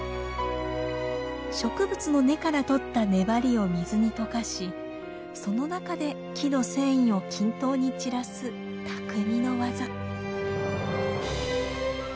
植物の根から取った粘りを水に溶かしその中で木の繊維を均等に散らす匠の技。